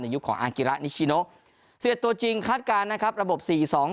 ยุคของอากิระนิชิโน๑๑ตัวจริงคาดการณ์นะครับระบบสี่สอง